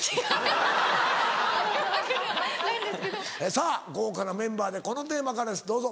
さぁ豪華なメンバーでこのテーマからですどうぞ。